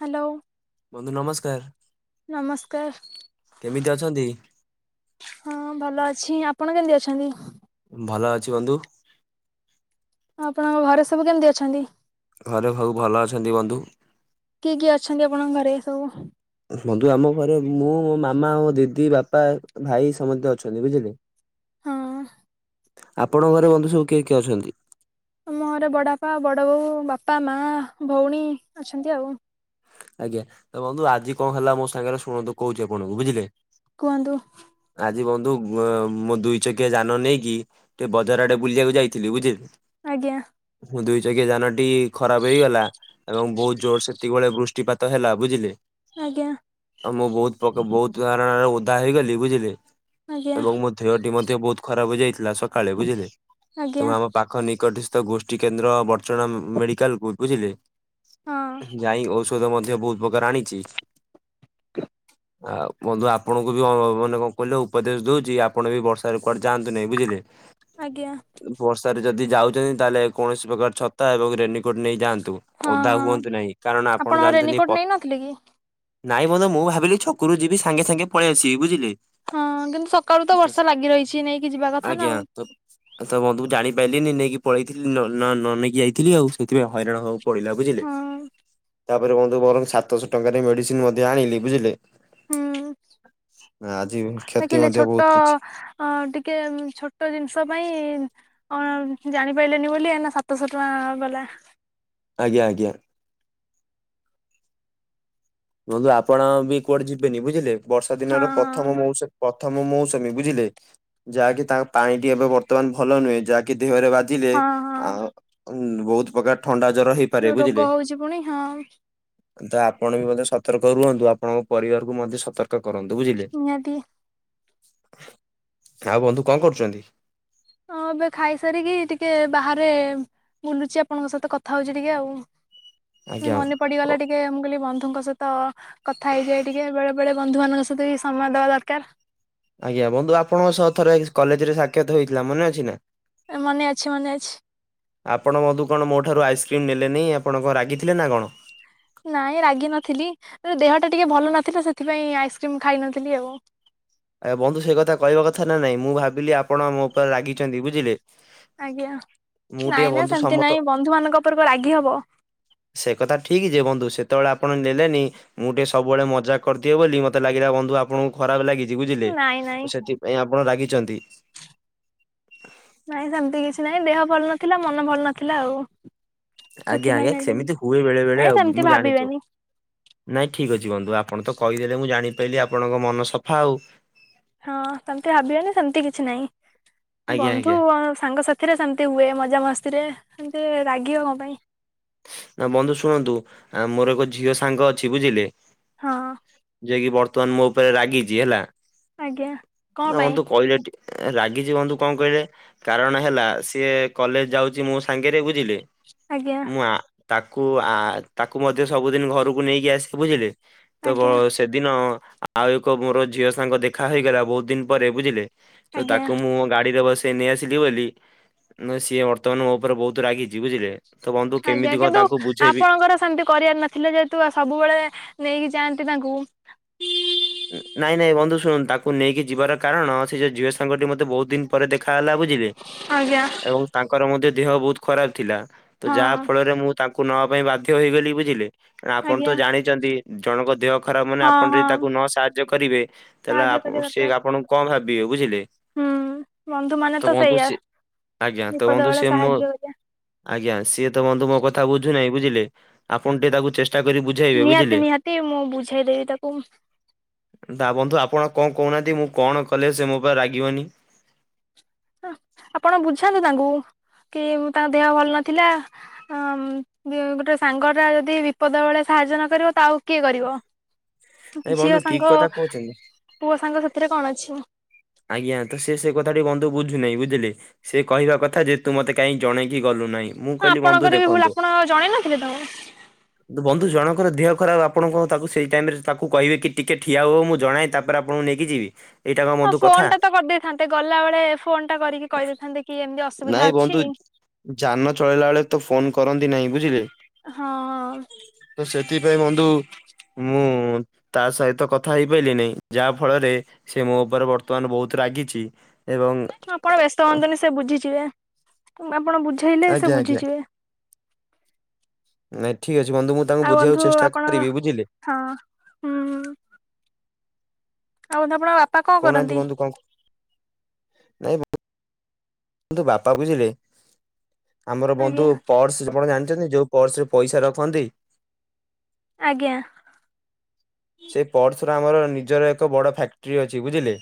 Hello. ବନ୍ଧୁ ନମସ୍କାର କେମିତି ଅଛନ୍ତି? ହଁ ଭଲ ଅଛି ଆପଣ କେମିତି ଅଛନ୍ତି? ଭଲ ଅଛି ବନ୍ଧୁ। ଆଉ ଆପଣଙ୍କ ଘରେ ସବୁ କେମିତି ଅଛନ୍ତି? ଘରେ ସବୁ ଭଲ ଅଛନ୍ତି ବନ୍ଧୁ। କିଏ କିଏ ଅଛନ୍ତି ଆପଣଙ୍କ ଘରେ ସବୁ? ବନ୍ଧୁ ଆମ ଘରେ ମୁଁ ମୋ ମାମା ମୋ ଦିଦି, ବାପା, ଭାଇ ସମସ୍ତେ ଅଛନ୍ତି ବୁଝିଲେ। ହଁ। ଆପଣଙ୍କ ଘରେ ବନ୍ଧୁ ସବୁ କିଏ କିଏ ଅଛନ୍ତି? ଆମ ଘରେ ବଡ଼ବାପା ବଡ଼ ବୋଉ, ବାପା, ମା, ଭଉଣୀ ଅଛନ୍ତି ଆଉ। ଆଜ୍ଞା। ଏ ବନ୍ଧୁ ଆଜି କଣ ହେଲା ମୋ ସାଙ୍ଗରେ ଶୁଣନ୍ତୁ କହୁଛି ଆପଣଙ୍କୁ ବୁଝିଲେ। କୁହନ୍ତୁ? ଆଜି ବନ୍ଧୁ ମୋ ଦୁଇ ଚକିଆ ଯାନ ନେଇକି ଟିକେ ବଜାର ଆଡେ ବୁଲିବାକୁ ଯାଇଥିଲି ବୁଝିଲେ। ଆଜ୍ଞା। ଦୁଇ ଚକିଆ ଯାନଟି ଖରାପ ହେଇଗଲା। ଏବଂ ବହୁତ ଜୋର ସେତିକି ବେଳେ ବୃଷ୍ଟିପାତ ହେଲା ବୁଝିଲେ। ଆଜ୍ଞା ଆଉ ମୁଁ ବହୁତ ବହୁତ ଧାରଣରେ ଓଦା ହୋଇଗଲି ବୁଝିଲେ। ଆଜ୍ଞା ଏବଂ ମୋ ଦେହଟି ମଧ୍ୟ ବହୁତ ଖରାପ ହେଇଯାଇଚି। ସକାଳେ ବୁଝିଲେ। ତ ଆଜ୍ଞା ଆମ ପାଖ ନିକଟ ଗୋଷ୍ଟିକେନ୍ଦ୍ର ବଦ୍ରଚଣା ମେଡିକାଲ ବୁଝିଲେ ହଁ ଯାଇ ଔଷଧ ମଧ୍ୟ ବହୁତ ପ୍ରକାର ଆଣିଚି। ଆଉ ବନ୍ଧୁ ଆପଣଙ୍କୁ ବି ମାନେ କଣ କହିଲେ ଉପଦେଶ ଦଉଛି ଆପଣ ବି ବର୍ଷାରେ କୁଆଡେ ଯାଆନ୍ତୁନି ବୁଝିଲେ। ଆଜ୍ଞା ବର୍ଷାରେ ଯଦି ଯାଉଛନ୍ତି ତାହେଲେ କୌଣସି ପ୍ରକାର ଛତା ଏବଂରେନି କୋଟ ନେଇ ଯାଆନ୍ତୁ ହଁ ଓଦା ହଁ ହୁଅନ୍ତୁ ନାହିଁ। କାରଣ ଆପଣ ଜାଣିଛନ୍ତି ପ ରେନିକୋଟ୍ ନେଇନଥିଲେ କି? ନାଇଁ ବନ୍ଧୁ ମୁଁ ଭାବିଲି ଛକରୁ ଯିବି ସାଙ୍ଗେ ସାଙ୍ଗେ ପଳେଇଆସିବି ବୁଝିଲେ। ହଁ କିନ୍ତୁ ସକାଳୁ ତ ବର୍ଷା ଲାଗି ରହିଛି ନେଇକି ଯିବା କଥା ନା ଆଜ୍ଞା। ଆଉ। ମୁଁ ତ ବନ୍ଧୁ ଜାଣି ନେଲିନି ନେଇକି ପଳେଇଥିଲି ନ ନେଇକି ଯାଇଥିଲି ଆଉ। ସେଥିପାଇଁ ହଇରାଣ ହବାକୁ ପଡିଲା ବୁଝିଲେ। ହଁ ତାପରେ ବନ୍ଧୁ ମୋର ସାତଶହ ଟଙ୍କାରେ ମେଡିସିନ ମଧ୍ୟ ଆଣିଲି ବୁଝିଲେ। ହୁଁ। ଆଜି କ୍ଷତି ଦେଖିଲେ ମଧ୍ୟ ବହୁତ ଛୋଟ କିଛି ଅ ଟିକେ ଛୋଟ ଜିନିଷ ପାଇଁ ଅ ଜାଣିପାରିଲେନି ବୋଲି ଏଇନା ସାତଶହ ଟଙ୍କା ଗଲା। ଆଜ୍ଞା ଆଜ୍ଞା। ବନ୍ଧୁ ଆପଣ ବି କୁଆଡେ ଯିବେନି ବୁଝିଲେ। ବର୍ଷା ହଁ ଦିନର ପ୍ରଥମ ମୌସୁମୀ ପ୍ରଥମ ମୌସମୀ ବୁଝିଲେ। ଯାହାକି ତାଙ୍କ ପାଣିଟି ଏବେ ବର୍ତ୍ତମାନ ଭଲ ନୁହେଁ। ଯାହାକି ଦେହରେ ବାଜିଲେ ହଁ ଆ ହଁ ବହୁତ ପ୍ରକାର ଥଣ୍ଡା ଜର ହେଇପାରେ ହଁ ରୋଗ ବୁଝିଲେ। ହଉଛି ପୁଣି ହଁ ତ ଆପଣ ବି ମଧ୍ୟ ସତର୍କ ରୁହନ୍ତୁ। ଆପଣଙ୍କ ପରିବାରକୁୁ ମଧ୍ୟ ସତର୍କ କରନ୍ତୁ ବୁଝିଲେ। ନିହାତି ଆଉ ବନ୍ଧୁ କଣ କରୁଛନ୍ତି? ହଁ ଏବେ ଖାଇସାରିକି ଟିକେ ବାହାରେ ବୁଲୁଚି ଆପଣଙ୍କ ସହିତ କଥା ହଉଛି ଟିକେ ଆଉ। ମନେ ଆଜ୍ଞା ପଡିଗଲା ଟିକେ ମୁଁ କହିଲି ବନ୍ଧୁଙ୍କ ସହିତ କଥା ହେଇଯାଏ ଟିକେ। ବେଳେ ବେଳେ ବନ୍ଧୁ ମାନଙ୍କ ସହିତ ବି ସମୟ ଦବା ଦରକାର। ଆଜ୍ଞା। ବନ୍ଧୁ ଆପଣଙ୍କ ସହ ଥରେ କଲେଜରେ ସାକ୍ଷାତ ହେଇଥିଲା ମନେ ଅଛି ନା। ମନେଅଛି ମନେଅଛି। ଆପଣ ବନ୍ଧୁ କଣ ମୋ ଠାରୁ ଆଇସସ୍କ୍ରିମ୍ ନେଲେନି, ଆପଣଙ୍କ କଣ ରାଗିଥିଲେ ନା କଣ। ନାଇଁ ରାଗି ନଥିଲି। କିନ୍ତୁ ଦେହଟା ଟିକେ ଭଲ ନଥିଲା ସେଥିପାଇଁ ଆଇସସ୍କ୍ରିମ ଖାଇନଥିଲି ଆଉ। ଏ ବନ୍ଧୁ ସେ କଥା କହିବା କଥା ନା ନାଇଁ ମୁଁ ଭାବିଲି ଆପଣ ମୋ ଉପରେ ଲାଗିଛନ୍ତି ବୁଝିଲେ। ଆଜ୍ଞା। ମୁଁ ଟିକେ ନାଇଁ ନାଇଁ ବନ୍ଧୁ ସେମିତି ସମତ ନାଇଁ ବନ୍ଧୁ ମାନଙ୍କ ଉପରେ କଣ ରାଗି ହବ। ସେ କଥା ଠିକ୍ ଯେ ବନ୍ଧୁ। ସେ ସେତେବେଳେ ଆପଣ ନେଲେନି ମୁଁ ଟିକେ ସବୁବେଳେ ମଜା କରିଥିବଏ ବୋଲି ମତେ ଲାଗିଲା ବନ୍ଧୁ ଆପଣଙ୍କୁ ଖରାପ ଲାଗି ବୁଝିଲେ। ନାଇଁ ନାଇଁ ସେଥିପାଇଁ ଆପଣ ରାଗିଛନ୍ତି। ନାଇଁ ସେମିତି କିଛି ନାହିଁ ଦେହ ଭଲ ନଥିଲା ମନ ଭଲ ନଥିଲା ଆଉ। ଆଜ୍ଞା ସେଥିପାଇଁ ଆଜ୍ଞା ନେଲିନି ସେମିତି ହୁଏ ବେଳେ ବେଳେ ନାଇଁ ଆଉ ସେମିତି ମୁଁ ଜାଣିଛୁ। ଭାବିବେନି ନାଇଁ ଠିକ ଅଛି ବନ୍ଧୁ ଆପଣ ତ କହିଦେଲେ ମୁଁ ଜାଣିପାଇଲିି ଆପଣଙ୍କ ମନ ସଫା ଆଉ। ହଁ ସେମିତି ଭାବିବନି ସେମତି କିଛି ନାହିଁ। ଆଜ୍ଞା ଆଜ୍ଞା। ବନ୍ଧୁ ଆଉ ସାଙ୍ଗ ସାାଥିରେ ସେମିତି ହୁଏ ମଜା ମସ୍ତିରେ ସେ ରାଗିବ କଣ ପାଇଁ? ନା ବନ୍ଧୁ ଶୁଣନ୍ତୁ ଆମର ଏକ ଝିଅ ସାଙ୍ଗ ଅଛି ବୁଝିଲେ ହଁ। ସିଏ ବର୍ତ୍ତମାନ ମୋ ଉପରେ ରାଗିଚି ହେଲା। ଆଜ୍ଞା ନା କଣ ପାଇଁ? ବନ୍ଧୁ କହିଲେ ଟି ରାଗିଛି ବନ୍ଧୁ କଣ କହିଲେ କାରଣ ହେଲା ସିଏ କଲେଜ ଯାଉଛି ମୋ ସାଙ୍ଗରେ ବୁ ଆଜ୍ଞା। ଆ ତାକୁ ଆ ତାକୁ ମଧ୍ୟ ସବୁଦିନ ଘରକୁ ନେଇକି ଆସେ ବୁଝିଲେ ତ ବ ଆଜ୍ଞା ସେଦିନ ଆଉ ଏକ ମୋର ଝିଅ ସାଙ୍ଗ ଦେଖା ହେଇଗଲା ବହୁତ ଦିନ ପରେ ବୁଝିଲେ ତ ଆଜ୍ଞା ତାକୁ ମୁଁ ଗାଡିରେ ବସି ସେ ନେଇଆସିଲି ବୋଲି ନ ସିଏ ବର୍ତ୍ତମାନ ମୋ ଉପରେ ବହୁତ ରାଗିଛି ବୁଝିଲେ। ତ ବନ୍ଧୁ ଆଜ୍ଞା କେମିତି କଣ କିନ୍ତୁ ତାଙ୍କୁ ବୁଝେଇବି ଆପଣଙ୍କର ସେମିତି କରିବାର ନଥିଲେ ଯେହେତୁ ସବୁବେଳେ ନେଇକି ଯାଆନ୍ତି ତାଙ୍କ ଙ୍କୁ ନାଇଁ ନାଇଁ ବନ୍ଧୁ ଶୁଣନ୍ତୁ ତାକୁ ନେଇକି ଯିବାର କାରଣ ସେ ଯୋଉ ଝିଅ ସାଙ୍ଗଟି ମତେ ବହୁତ ଦିନ ପରେ ଦେଖ ଲା ବୁଝିଲେ ଆଜ୍ଞା ଏବଂ ତାଙ୍କର ମଧ୍ୟ ଦେହ ବହୁତ ଖରାପ ଥିଲା ତ ହଁ ଯାହା ଫଳରେ ମୁଁ ତାଙ୍କୁ ନବା ପାଇଁ ବାଧ୍ୟ ହେଇଗଲି ବୁଝିଲେ କାହିଁକି ନା ଆପଣ ଆଜ୍ଞା ତ ଜାଣିଛନ୍ତି ଜଣଙ୍କ ଦେହ ଖରାପ ମାନେ ହଁ ଆପଣ ଯଦି ହଁ ତାକୁ ନ ସାହାଯ୍ୟ କରିବେ ତାହେଲେ ସାହାଯ୍ୟ ଆପ କରିବା ସେ ଦରକାର ଆପଣଙ୍କୁ କଣ ଭାବିବେ ବୁଝିଲେ। ହୁଁ ବନ୍ଧୁ ମାନେ ତ ବନ୍ଧୁ ସେଇଆ ସିଏ ଆଜ୍ଞା ତ ବିପଦ ବନ୍ଧୁ ବେଳେ ସିଏ ମୋ ସାହାଯ୍ୟ କରିବା ଆଜ୍ଞା ସିଏ ତ ବନ୍ଧୁ ମୋ କଥା ବୁଝୁ ନାହିଁ ବୁଝିଲେ ଆପଣ ଟିକେ ତାକୁ ଚେଷ୍ ନିହାତି ନିହାତି ମୁଁ ବୁଝେଇଦେବି ତାକୁ। ଦା ବନ୍ଧୁ ଆପଣ କଣ କହୁନାହାନ୍ତି ମୁଁ କଣ କଲେ ସେ ମୋ ପାଇଁ ରାଗିବନି? ହାଁ ଆପଣ ବୁଝାନ୍ତୁ ତାଙ୍କୁ କି ତାଙ୍କ ଦେହ ଭଲ ନଥିଲା ହଁ ଉମ୍ [unintelligible] ଗୋଟେ ସାଙ୍ଗ ଟା ଯଦି ବିପଦ ବେଳେ ସାହାଯ୍ୟ ନ କରିବ ତ ଆଉ କିଏ କରିବ ଏ ବନ୍ଧୁ ଝିଅ ଠିକ ସାଙ୍ଗ କଥା କହୁଛନ୍ତି। ପୁଅ ସାଙ୍ଗ ସେଥିରେ କଣ ଅଛି। ଆଜ୍ଞା ତ ସେ ସେ କଥାଟି ବନ୍ଧୁ ବୁଝୁନାହିଁ ବୁଝିଲେ ସେ କହିବା କଥା ଯେ, ତୁ ମତେ କାଇଁ ଜଣେଇକି ଗଲୁ ନାହିଁ? ମୁଁ କଇଲି ବନ୍ଧୁ ଆପଣଙ୍କର ବି ଭୁଲ ଦେଖନ୍ତୁ ଆପଣ ଜଣେଇ ନଥିଲେ ତାଙ୍କୁ ବନ୍ଧୁ ଜଣଙ୍କର ଦେହ ଖରାପ ଆପଣ କଣ ତାକୁ ସେଇ ଟାଇମରେ ତାକୁ କହିବେ କି ଟିକେ ଠିଆ ହୁଅ ମୁଁ ଜଣାଏ ତାପରେ ଆପଣଙ୍କୁ ନେଇକି କିରେ ଏଇଟା କଣ ମଦୁ କ ଫୋନଟା ତ କରିଦେଇଥାନ୍ତେ ଗଲା ବେଳେ ଫୋନଟା କରିକି କହିଦେଇଥାନ୍ତେ କି ଏମିତି ଅସୁବିଧା ନାଇଁ ଅଛି ବନ୍ଧୁ ଯାନ ଚଳେଇଲା ବେଳେ ତ ଫୋନ କରନ୍ତି ନାହିଁ ବୁଝିଲେ। ହଁ। ତ ସେଥିପାଇଁ ବନ୍ଧୁ ମୁଁ ତା ସହିତ କଥା ହେଇପାଇଲି ନାହିଁ ଯାହା ଫଳରେ ସିଏ ମୋ ଉପରେ ବର୍ତ୍ତ୍ ର୍ତ୍ତମାନ ବହୁତ ରାଗିଛି ଏବଂ ଆପଣ ବ୍ୟସ୍ତ ହୁଅନ୍ତୁନି ସେ ବୁଝିଯିବେ ଆପଣ ବୁଝେଇଲେ ସେ ଆଜ୍ଞା ଆଜ୍ଞା ବୁଝିଯିବେ। ନାଇଁ ଠି ଠିକ୍ ଅଛି ବନ୍ଧୁ ମୁଁ ତାଙ୍କୁ ଆଉ ବୁଝେଇଆକୁ ବନ୍ଧୁ ଚେଷ୍ଟା ଆପଣ କରିବି ବୁଝିଲେ ହଁ ଆଉଟେ ଆପଣଙ୍କ ବାପା କଣ କହୁନାହାନ୍ତି କରନ୍ତି? ବନ୍ଧୁ କଣ ନାଇଁ ବ ନ୍ତୁ ବାପା ବୁଝିଲେ ଆମର ଆଜ୍ଞା ବନ୍ଧୁ ପର୍ସ ଆପଣ ଜାଣ ଚନ୍ତି ଯୋଉ ପର୍ସରେ ପଇସା ରଖନ୍ତି ଆଜ୍ଞା। ପରା ଆମର ନିଜର ଏକ ବଡ଼ ଫ୍ୟାକ୍ଟ୍ରି ଅଛି ବୁଝିଲେ!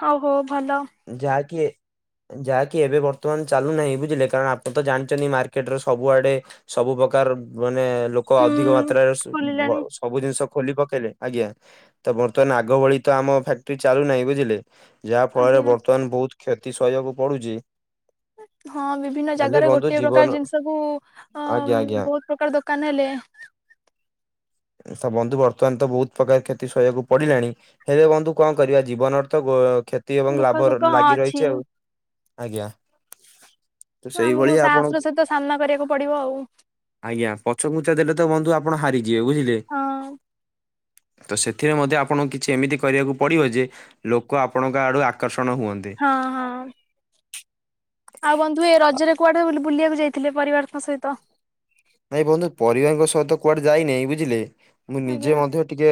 ହଉ ହଉ ଭଲ। ଯାହାକି ଯାହାକି ଏବେ ବର୍ତ୍ତମାନ ଚାଲୁନାହିଁ ବୁଝିଲେ କାରଣ ଆପଣ ତ ଜାଣିଛନ୍ତି ମାର୍କେଟରେ ସବୁଆଡେ ସବୁ ପ୍ରକା ର ମାନେ ଲୋକ ହୁଁ ଅଧିକ ମାତ୍ରାରେ ଖୋଲିଲାଣି [unintelligible] ସବୁ ଜିନିଷ ଖୋଲି ପକେଇଲେ ଆଜ୍ଞା ତ ବର୍ତ୍ତମାନ ଆଗ ଭଳି ତ ଆମ ଫ୍ୟାକ୍ଟ୍ରି ଚାଲୁନାହିଁ ବୁଝିଲେ। ଯାହା ଫଳରେ ଆଜ୍ଞା ବର୍ତ୍ତମାନ ବହୁତ କ୍ଷତି ସହିବାକୁ ପଡୁଚି। [unintelligible] ହଁ ବିଭିନ୍ନ ଜାଗାରେ ବନ୍ଧୁ ଗୋଟେ ପ୍ରକାର ଜୀବନ ଜିନିଷକୁୁ ଅ, ଆଜ୍ଞା ଆଜ୍ଞା ବହୁତ ପ୍ରକାର ଦୋକାନ ହେଲେ [inaudible] ସ ବନ୍ଧୁ ବର୍ତ୍ତମାନ ତ ବହୁତ ପ୍ରକାର କ୍ଷତି ସହିବାକୁ ପଡିଲାଣି। ହେଲେ ବନ୍ଧୁ କଣ କରିବା ଜୀବନର ତ ଗୋ କ୍ଷତି ଏବଂ ଦୁଃଖ ଲାଭ ସୁଖ ହଁ ଲାଗି ଅଛି ରହିଛି ଆଉ ଆଜ୍ଞା। ତ ଆମକୁ ସେଇଭଳି ଆପଣ ସାହସର ସହିତ ସାମ୍ନା କରିବାକୁ ପଡିବ ଆଉ ଆଜ୍ଞା ପଛ ଘୁଞ୍ଚା ଦେଲେ ତ ବନ୍ଧୁ ଆ ଆପଣ ହାରିଯିବେ ବୁଝିଲେ। ହଁ ତ ସେଥିରେ ମଧ୍ୟ ଆପଣଙ୍କୁ କିଛି ଏମିତି କରିବାକୁ ପଡିବ ଯେ ଲୋକ ଆପଣଙ୍କ ଆଡୁ ଆକର୍ଷ ହଁ, ହଁ। ଆଉ ବନ୍ଧୁ ଏ ରଜରେ କୁଆଡେ ବୁଲିବାକୁ ଯାଇଥିଲେ ପରିବାରଙ୍କ ସହିତ? ନାଇ ବନ୍ଧୁ ପରିବାରଙ୍କ ସହ ତ କୁଆଡେ ଯାଇନାଇ ବୁଝିଲେ ମୁଁ ନିଜେ ଆଜ୍ଞା ମଧ୍ୟ ଟିକେ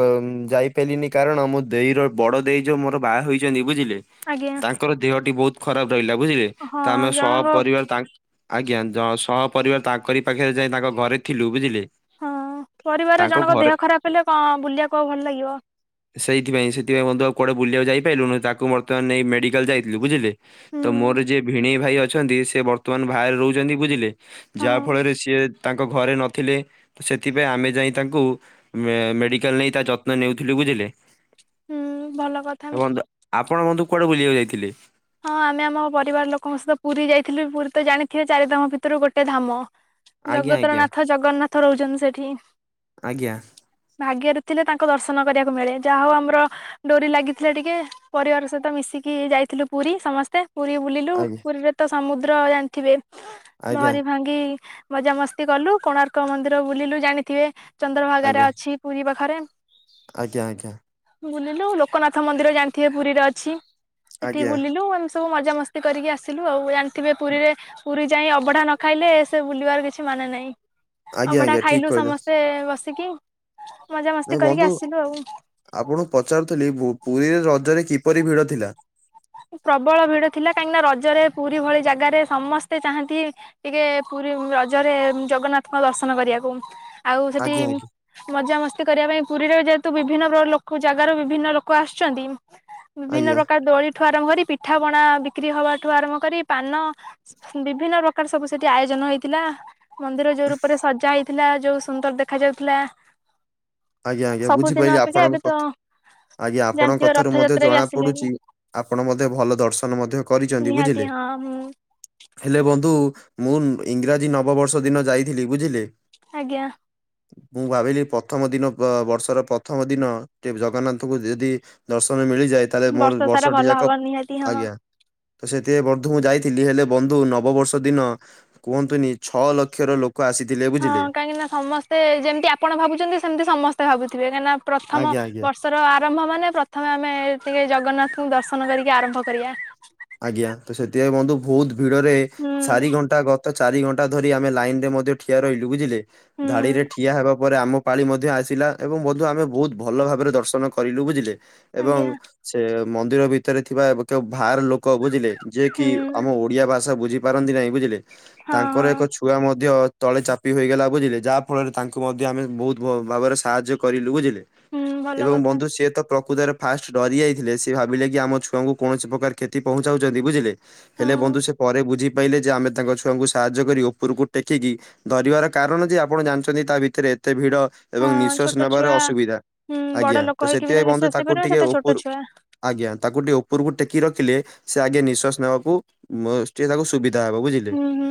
ବ-ଯାଇପାଇଲିନି କାରଣ ମୋ ଦେଇର ବଡ଼ ଦେଇ ଯୋଉ ମୋର ବାହା ହୋଇଚନ୍ତି ବୁଝିଲେ ଆଜ୍ଞା ତାଙ୍କର ଦେହଟି ବହୁତ ଖରାପ ରହିଲା ବୁଝିଲେ ହଁ ତ ଆମେ ସ ଜଣଙ୍କ ପରିବାର ତାଙ୍କ ଆଜ୍ଞ ଯ ସ ପରିବାର ତାଙ୍କରି ପାଖରେ ଯାଇ ତାଙ୍କ ଘରେ ଥିଲୁ ବୁଝିଲେ। ହଁ। ପରିବାର ତାଙ୍କ ଜଣଙ୍କ ଦେହ ଘରେ ଖରାପ ହେଲେ କଣ ବୁଲିବାକୁ ଆଉ ଭଲ ଲାଗିବ। ସେଇଥିପାଇଁ ସେଥିପାଇଁ ବନ୍ଧୁ ଆଉ କୁଆଡେ ବୁଲିବାକୁ ଯାଇପାଇଲୁନୁ ତାକୁ ବର୍ତ୍ତମାନ ନେଇ ମେଡିକାଲ୍ ଯାଇଥିଲୁ ବୁଝିଲେ ତ ହୁଁ ମୋର ଯିଏ ଭିଣେଇ ଭାଇ ଅ ଛନ୍ତି ସେ ବର୍ତ୍ତମାନ ବାହାରେ ରହୁଛନ୍ତି ବୁଝିଲେ। ହଁ ଯା ସିଏ ତାଙ୍କ ଘରେ ନଥିଲେ ସେଥିପାଇଁ ଆମେ ଯାଇ ତାଙ୍କୁ ମେ-ମେଡିକାଲ୍ ନେଇ ତା ଯତ୍ନ ନେଉଥିଲି ବୁଝିଲେ। ହୁଁ, ଭଲ ତ କଥା ନା। ବନ୍ଧୁ ଆପଣ ବନ୍ଧୁ କୁଆଡେ ବୁଲିବାକୁ ଯାଇଥିଲେ? ହଁ ଆମେ ଆମ ପରିବାର ଲୋକଙ୍କ ସହିତ ପୁରୀ ଯାଇଥିଲୁ। ପୁରୀ ତ ଜାଣିଥିବେ ଚାରି ଧାମ ଭିତରୁ ଗୋଟେ ଧାମ। ଆଜ୍ଞା ଜଗତର ଆଜ୍ଞା ନାଥ ଜଗନ୍ନାଥ ରହୁଛନ୍ତି ସେଠି। ଆଜ୍ଞା ଭାଗ୍ୟରେ ଥିଲେ ତାଙ୍କ ଦର୍ଶନ କରିବାକୁ ମିଳେ। ଯାହା ହଉ ଆମର ଡୋରି ଲାଗିଥିଲା ଟିକେ ପରିବାର ସହିତ ମିଶି ଶିକି ଯାଇଥିଲୁ ପୁରୀ ସମସ୍ତେ ପୁରୀ ବୁଲିଲୁ ଆଜ୍ଞା ପୁରୀରେ ତ ସମୁଦ୍ର ଜାଣିଥିବେ। ଆଜ୍ଞା ଲହରୀ ଭାଙ୍ଗି ମଜାମସ୍ତି କଲୁ। କୋଣାର୍କ ମନ୍ଦିର ବୁଲିଲୁ ଜାଣିଥିବେ। ଚନ୍ଦ୍ରଭାଗାରେ ଆଜ୍ଞା ଅଛି ପୁରୀ ପାଖରେ। ଆଜ୍ଞା, ଆଜ୍ଞା। ବୁଲିଲୁ। ଲୋକନାଥ ମନ୍ଦିର ଜାଣିଥିବେ ପୁରୀରେ ଅଛି। ଟି ଆଜ୍ଞା ବୁଲିଲୁ ଆମେ ସ ସବୁ ମଜାମସ୍ତି କରିକି ଆସିଲୁ ଆଉ। ଜାଣିଥିବେ ପୁରୀରେ ପୁରୀ ଯାଇ ଅବଢା ନ ଖାଇଲେ ସେ ବୁଲିବାର କିଛି ମା ନେ ନାଇଁ ଆଜ୍ଞା ଅଭଢା ଆଜ୍ଞା ଠିକ ଖାଇଲୁ କହିଲେ ସମସ୍ତେ ବସିକି। ମଜାମସ୍ତି ନାଇଁ କରିକି ବନ୍ଧୁ ଆସିଲୁ ଆଉ ଆପଣ ପଚାରୁଥିଲି ପୁ-ପୁରୀରେ ରଜରେ କି କିପରି ଭିଡ଼ ଥିଲା? ପ୍ରବଳ ଭିଡ ଥିଲା। କାହିଁକି ନା ରଜରେ ପୁରୀ ଭଳି ଜାଗାରେ ସମସ୍ତେ ଚାହାନ୍ତି ଟିକେ ପୁର ରୀ ରଜରେ ଜଗନ୍ନାଥଙ୍କ ଦର୍ଶନ କରିବାକୁ। ଆଉ ସେଠି ଆଜ୍ଞା ଆଜ୍ଞା ମଜାମସ୍ତି କରିବା ପାଇଁ ପୁରୀର ଯେହେତୁ ବିଭିନ୍ନ ପ୍ର ଲୋକ ଜାଗାରୁ ବିଭିନ୍ନ ଲୋକ ଆସୁଛନ୍ତି। ବିଭିନ୍ନ ଆଜ୍ଞା ପ୍ରକାର ଦୋଳି ଠୁ ଆରମ୍ଭ କରି ପିଠା ପଣା ବିକ୍ରି ହବା ଠୁ ଆରମ୍ଭ କରି ପାନ ବିଭିନ୍ନ ପ୍ରକାର ସବୁ ସେଠି ଆୟୋଜ ନ ହେଇଥିଲା ମନ୍ଦିର ଯୋଉ ରୂପରେ ସଜା ହେଇଥିଲା। ଯୋଉ ସୁନ୍ଦର ଦେଖାଯାଉଥିଲା। ଆଜ୍ଞା ଆଜ୍ଞା ବୁଝିପାଇଲି ଆପଣଙ୍କ କଥା ଆଜ୍ଞା ଆପଣଙ୍କ ଜାଣିଥିବ କଥାରୁ ମଧ୍ୟ ରଥଯାତ୍ରା ବି ଜଣା ଆସିଲେଣି ପଡୁଚି ଆପଣ ମଧ୍ୟ ଭଲ ଦର୍ଶନ ମଧ୍ୟ କରିଚନ୍ତି ନିହାତି ବୁଝିଲେ। ହଁ ମୁଁ ହେଲେ ବନ୍ଧୁ କୁ ମୁଁ ଇଂରାଜୀ ନବବର୍ଷ ଦିନ ଯାଇଥିଲି ବୁଝିଲେ। ଆଜ୍ଞା। ମୁଁ ଭାବିଲି ପ୍ରଥମ ଦିନ ଗ-ବର୍ଷର ପ୍ରଥମ ଦିନ ତେ ଜଗନ୍ନାଥଙ୍କୁ ଯଦି ଦର୍ଶନ ମିଳିଯି ଲେ ମୋ ସାରା ବର୍ଷ ଭଲ ହବ ଯାକ୍ା ନିହାତି ହଁ। ସେଥି ବଧ ମୁ ଯାଇଥିଲି ହେଲେ ବନ୍ଧୁ ନବବର୍ଷ ଦିନ କୁହନ୍ତୁନି ଛଅ ଲକ୍ଷର ଲୋକ ଆସିଥିଲେ ହଁ ବୁଝିଲେ। କାହିଁକି ନା ସମସ୍ତେ ଯେମିତି ଆପଣ ଭାବୁଛନ୍ତି ସେମତି ସମସ୍ତେ ଭାବୁଛନ୍ତି ଥିବେ କାହିଁିନା ପ୍ରଥମ ଆଜ୍ଞା ଆଜ୍ଞା। ବର୍ଷର ଆରମ୍ଭ ମାନେ ପ୍ରଥମେ ଆମେ ଟିକେ ଜଗନ୍ନାଥ ତ ଦର୍ଶନ କରିକି ଆରମ୍ଭ କରିବା। ଆଜ୍ଞା ତ ସେଥିପାଇଁ ବନ୍ଧୁ ବହୁତ ଭିଡରେ ହୁଁ ଚାରି ଘଣ୍ଟା ଗ ଚାରି ଘଣ୍ଟା ଧରି ଆମେ ଲାଇନ ରେ ମଧ୍ୟ ଠିଆ ରହିଲୁ ବୁଝିଲେ ହୁଁ ଧାଡିରେ ଠିଆ ହେବା ପରେ ଆମ ପାଳି ମଧ୍ୟ ଆସିଲା ଏବଂ ମଧ୍ୟ ଆମେ ବହୁତ ଭଲ ଭାବରେ ଦର୍ଶନ କରିଲୁ ବୁଝିଲେ ଏବଂ ଆଜ୍ଞା ସେ ମନ୍ଦିର ଭିତରେ ଥିବା କେଉଁ ବାହାର ଲୋକ ଲ ବୁଝିଲେ ଯିଏ କି ହୁଁ। ଆମ ଓଡିଆ ଭାଷା ବୁଝିପାରନ୍ତି ନାହିଁ ବୁଝିଲେ ହଁ ତାଙ୍କର ହଁ ଏକ ଛୁଆ ମଧ୍ୟ ଅ ତଳେ ଚାପି ହୋଇଗଲା ବୁଝିଲେ ଯାହା ଫଳରେ ତାଙ୍କୁ ମଧ୍ୟ ଆମେ ବହୁତ ଭାବରେ ସାହାଯ୍ୟ କରିଲୁ ବୁଝିଲେ ହୁଁ ଭଲ ଏବଂ କଥା ବନ୍ଧୁ ସେ ତ ପ୍ରକୃତରେ ଫାଷ୍ଟ ଡରି ଯାଇଥିଲେ ସେ ଭାବିଲେ କି ଆମ ଛୁଆଙ୍କୁ କୌଣସି ପ୍ରକାର କ୍ଷତି ପହଞ୍ଚାଉଛନ୍ତି ବୁଝିଲେ ହଁ ହେଲେ ବନ୍ଧୁ ସେ ପରେ ବୁଝି କହିଲେ ଯେ ଆମେ ତାଙ୍କ ଛୁଆଙ୍କୁ ସାହାଯ୍ୟ କରି ଉପରକୁ ଟେକିକି ଧରିବାର କାରଣ ଯେ ଆପଣ ଜାଣିଛନ୍ତି ତା ଭିତରେ ଏତେ ଭିଡ ଏବଂ ହଁ ନିଃଶ୍ଵାସ ଛୋଟ ନେବାର ଛୁଆ ଅସୁବିଧା। ହୁଁ ବଡ ଆଜ୍ଞା ଲୋକ ତ ହେଇକି ବି ସେଥିପାଇଁ ବନ୍ଧୁ ନିଶ୍ୱାସ ତାକୁ ନେଇପାରିବେ ଟିକେ ସେତେ ଛୋଟ ଉପରୁ ଛୁଆ ଆଜ୍ଞା। ତାକୁ ଟିକେ ଉପରକୁ ଟେକି ରଖିଲେ ସେ ଆଗେ ନିଶ୍ଵାସ ନବାକୁଏ ତାକୁ ସୁବିଧା ହବ ବୁଝିଲେ ହୁଁ ହୁଁ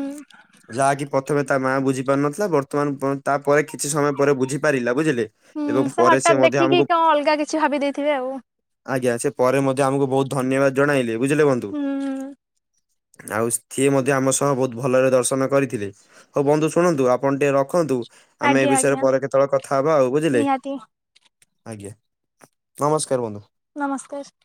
ଯାହାକି ପ୍ରଥମେ ତା ମା ବୁଝି ପାରୁ ନଥିଲା ବର୍ତ୍ତମାନ ଆ ତାପରେ କିଛି ସମୟ ପରେ ବୁଝିପାରିଲା ବୁଝିଲେ ହୁଁ ଏବଂ ପରେ ସେ ମଧ୍ୟ ଆମକୁ ବି ଦେଇଥିବେ ଆଉ। ଆଜ୍ଞା ସେ ପରେ ମଧ୍ୟ ଆମକୁ ବହୁତ ଧନ୍ୟବାଦ ଜଣାଇଲେ ବୁଝିଲେ ବନ୍ଧୁ। ହୁଁ ଆଉ ସିଏ ମଧ୍ୟ ଆମ ସହ ବହୁତ ଭଲରେ ଦର୍ଶନ କରିଥିଲେ ହଉ ବନ୍ଧୁ ଶୁଣନ୍ତୁ ଆପଣ ଟିକେ ରଖନ୍ତୁ ଆମେ ଏଇ ଆଜ୍ଞା ବିଷୟରେ ଆଜ୍ଞା ପରେ କେତେବେଳେ କଥା ହବା ଆଉ ବୁଝିଲେ। ନିହାତି ଆଜ୍ଞା ନମସ୍କାର ବନ୍ଧୁ। ନମସ୍କାର।